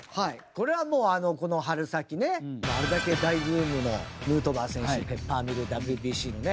これはもうこの春先ねあれだけ大ブームのヌートバー選手ペッパーミルＷＢＣのね